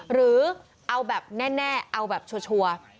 หรือเอาแบบแน่เอาแบบชัวร์